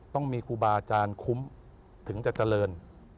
ต้องมีครูบาอาจารย์คุ้มถึงจะเจริญ